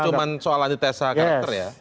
cuma soal antitesa karakter ya